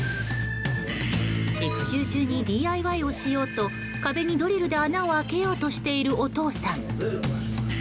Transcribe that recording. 育休中にＤＩＹをしようと壁にドリルで穴を開けようとしているお父さん。